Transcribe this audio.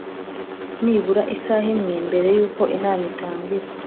nibura isaha imwe mbere y uko inama itangira